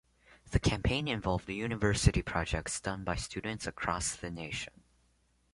The campaign involved University projects done by students across the nation.